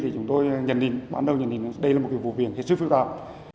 chúng tôi nhận định ban đầu nhận định đây là một vụ việc hết sức phức tạp